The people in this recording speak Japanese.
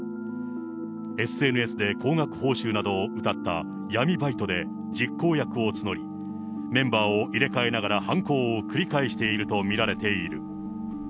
ＳＮＳで高額報酬などをうたった闇バイトで実行役を募り、メンバーを入れ替えながら犯行を繰り返していると見られている。